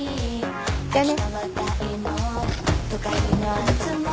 じゃあね。